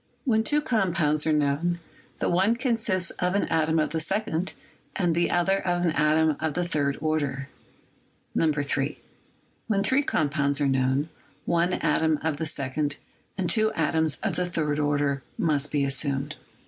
When two compounds are known, the one consists of an atom of the second and the other of an atom of the third order. 3. When three compounds are known, one atom of the second and two atoms of the third order must be assumed.